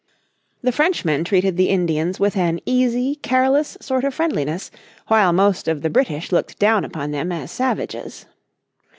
The Frenchmen treated the Indians with an easy, careless sort of friendliness, while most of the British looked down upon them as savages.